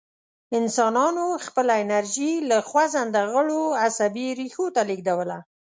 انسانانو خپله انرژي له خوځنده غړو عصبي ریښو ته لېږدوله.